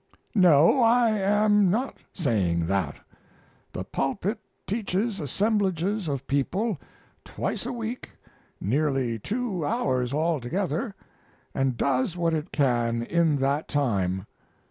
No, I am not saying that. The pulpit teaches assemblages of people twice a week nearly two hours altogether and does what it can in that time.